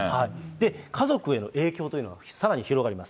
家族への影響というのがさらに広がります。